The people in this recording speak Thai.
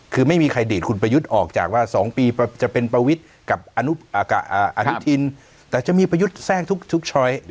คือไม่มีใครดีดคุณประยุทธ์ออกจากว่า๒ปีจะเป็นประวิทย์กับอนุทินแต่จะมีประยุทธ์แทรกทุกช้อย